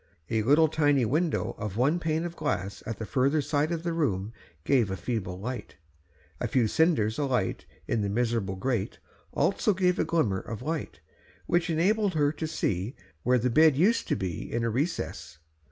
A little tiny window of one pane of glass at the further side of the room gave a feeble light. A few cinders alight in the miserable grate also gave a glimmer of light, which enabled her to see where the bed used to be, in a recess.